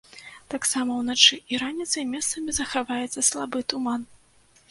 Таксама ўначы і раніцай месцамі захаваецца слабы туман.